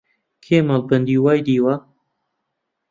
کێ مەڵبەندی وای دیوە؟